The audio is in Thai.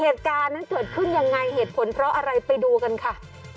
เหตุการณ์นั้นเกิดขึ้นยังไงเหตุผลเพราะอะไรไปดูกันค่ะ